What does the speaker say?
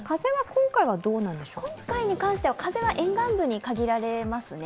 今回に関しては風は沿岸部に限られますね。